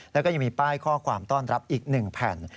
และมีป้ายข้อความต้อนรับอีก๑แผ่น